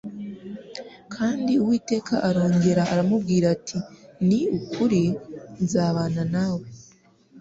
Kandi Uwiteka arongera aramubwira ati : "Ni ukuri nzabana nawe."